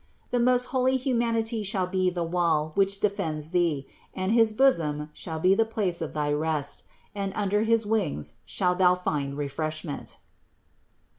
The most holy humanity shall be the wall, which defends thee; and his bosom shall be the place of thy rest, and under his wings shalt thou find refreshment (Ps.